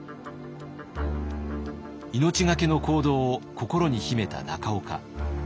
命懸けの行動を心に秘めた中岡。